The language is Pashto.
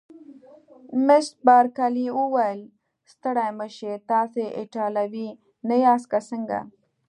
مس بارکلي وویل: ستړي مه شئ، تاسي ایټالوي نه یاست که څنګه؟